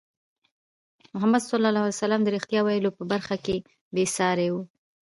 محمد صلى الله عليه وسلم د رښتیا ویلو په برخه کې بې ساری وو.